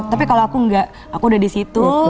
tapi kalau aku enggak aku udah di situ